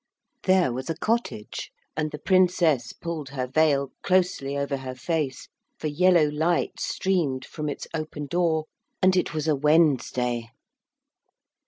There was a cottage and the Princess pulled her veil closely over her face, for yellow light streamed from its open door and it was a Wednesday.